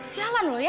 sialan lho ya